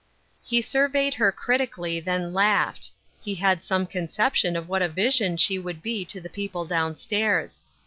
He surveyed her critically, then laughed. He had some conception of what a vision she would be to the people down stairs.